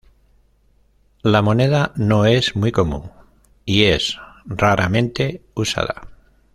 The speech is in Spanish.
La moneda no es muy común y es raramente usada.